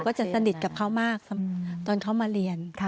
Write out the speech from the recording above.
จะสนิทกับเขามากตอนเขามาเรียน